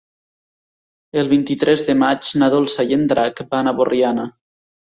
El vint-i-tres de maig na Dolça i en Drac van a Borriana.